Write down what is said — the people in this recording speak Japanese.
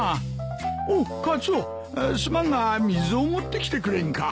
おっカツオすまんが水を持ってきてくれんか？